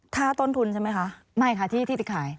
ถ้าต้นทุนใช่ไหมคะไม่ค่ะที่ไปขาย